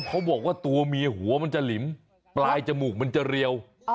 เขาบอกว่าตัวเมียหัวมันจะหลิมปลายจมูกมันจะเรียว